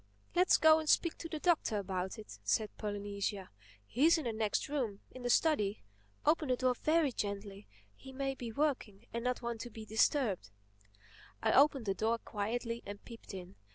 "Humph!—Let's go and speak to the Doctor about it," said Polynesia. "He's in the next room—in the study. Open the door very gently—he may be working and not want to be disturbed." I opened the door quietly and peeped in.